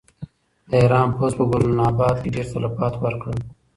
د ایران پوځ په ګلناباد کې ډېر تلفات ورکړل.